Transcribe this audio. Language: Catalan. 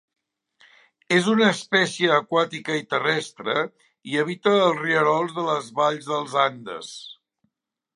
És una espècie aquàtica i terrestre i habita els rierols de les valls dels Andes.